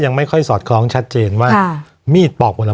วันนี้แม่ช่วยเงินมากกว่า